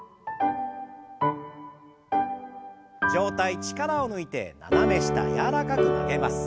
上体力を抜いて斜め下柔らかく曲げます。